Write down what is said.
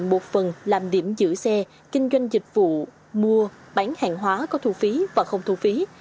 một phần làm điểm giữ xe kinh doanh dịch vụ mua bán hàng hóa có thu phí và không thu phí